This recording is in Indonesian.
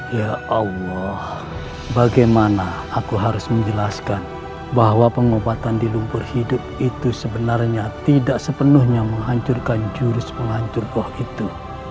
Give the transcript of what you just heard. ya allah bagaimana aku harus menjelaskan bahwa pengobatan di lumpur hidup itu sebenarnya tidak sepenuhnya menghancurkan jurus penghancur buah itu